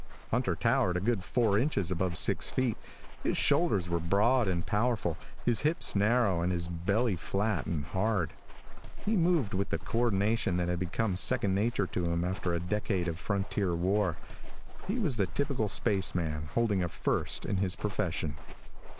Hunter towered a good four inches above six feet. His shoulders were broad and powerful, his hips narrow, and his belly flat and hard. He moved with the co ordination that had become second nature to him after a decade of frontier war. He was the typical spaceman, holding a First in his profession.